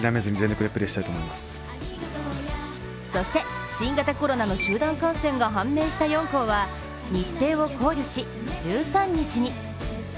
そして、新型コロナの集団感染が判明した４校は日程を考慮し、１３日に。